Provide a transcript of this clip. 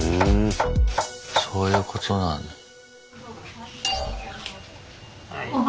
そういうことなんだ。え。